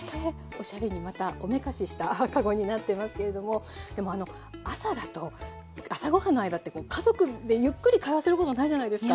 おしゃれにまたおめかしした籠になっていますけれどもでもあの朝だと朝ご飯の間って家族でゆっくり会話することないじゃないですか？